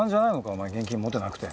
お前現金持ってなくて。